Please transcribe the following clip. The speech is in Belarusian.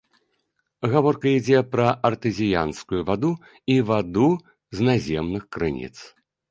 Гаворка ідзе пра артэзіянскую ваду і ваду з наземных крыніц.